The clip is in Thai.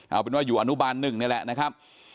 เอาเป็นว่าอยู่อนุบาล๑นี่แหละนะครับ